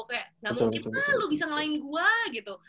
kayak gak mungkin lah lu bisa ngelain gue gitu